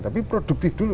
tapi produktif dulu